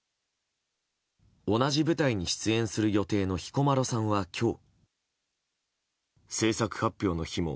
同じ舞台に出演する予定の彦摩呂さんは今日。